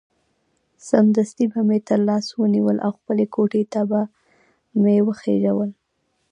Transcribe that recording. سمدستي به مې تر لاس ونیول او خپلې کوټې ته به مې وخېژول.